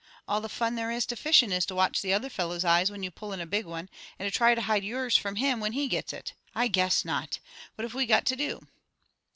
All the fun there is to fishin' is to watch the other fellow's eyes when you pull in a big one, and try to hide yours from him when he gets it. I guess not! What have we got to do?"